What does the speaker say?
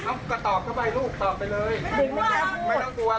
เขาก็ตอบเข้าไปลูกตอบไปเลยไม่ต้องกลัว